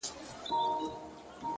نظم د بریالیتوب خاموش راز دی،